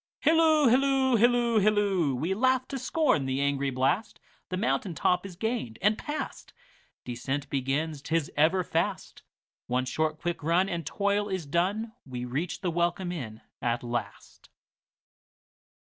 Hilloo, hilloo, hilloo, hilloo! We laugh to scorn the angry blast, The mountain top is gained and past. Descent begins, 't is ever fast—One short quick run, and toil is done, We reach the welcome inn at last.